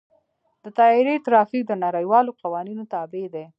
د طیارې ټرافیک د نړیوالو قوانینو تابع دی.